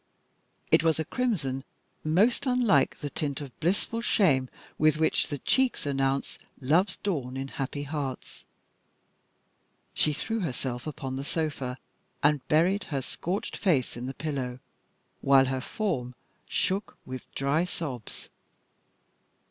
It was a crimson most unlike the tint of blissful shame with which the cheeks announce love's dawn in happy hearts. She threw herself upon the sofa, and buried her scorched face in the pillow while her form shook with dry sobs.